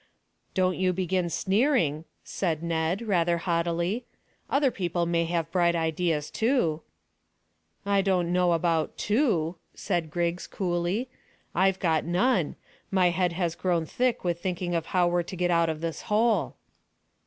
"Don't you begin sneering," said Ned, rather haughtily. "Other people may have bright ideas too." "I don't know about `too,'" said Griggs coolly; "I've got none. My head has grown thick with thinking of how we're to get out of this hole."